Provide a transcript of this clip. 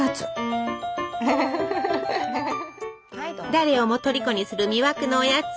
誰をもとりこにする魅惑のおやつ。